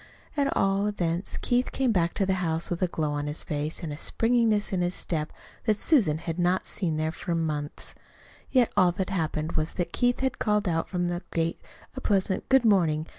At all events, Keith came back to the house with a glow on his face and a springiness in his step that Susan had not seen there for months. Yet all that had happened was that Keith had called out from the gate a pleasant "Good morning!"